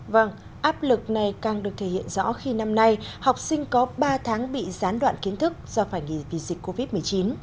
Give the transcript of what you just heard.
vâng áp lực này càng được thể hiện rõ khi năm nay học sinh có ba tháng bị gián đoạn kiến thức do phải nghỉ vì dịch covid một mươi chín